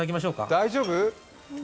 大丈夫？